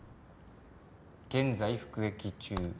「現在服役中」